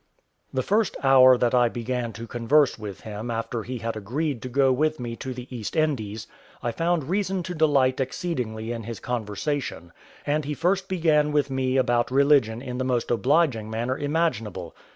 The first hour that I began to converse with him after he had agreed to go with me to the East Indies, I found reason to delight exceedingly in his conversation; and he first began with me about religion in the most obliging manner imaginable.